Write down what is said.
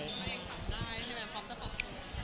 มันยังปรับได้ใช่ไหมพร้อมจะปรับได้